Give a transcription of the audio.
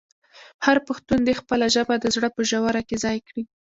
هر پښتون دې خپله ژبه د زړه په ژوره کې ځای کړي.